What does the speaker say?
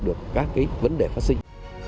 được các cái vấn đề phát sinh